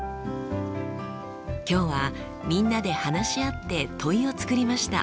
今日はみんなで話し合って問いを作りました。